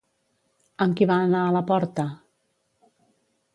Amb qui va anar a la porta?